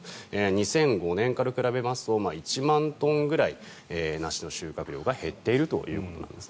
２００５年から比べますと１万トンぐらい、梨の収穫量が減っているということです。